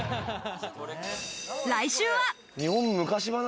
来週は。